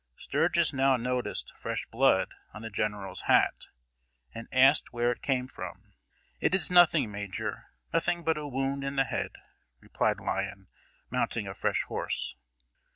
Sturgis now noticed fresh blood on the General's hat, and asked where it came from. "It is nothing, Major, nothing but a wound in the head," replied Lyon, mounting a fresh horse.